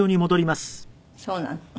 そうなの。